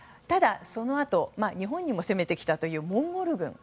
ただ、そのあと日本にも攻めてきたというモンゴル軍。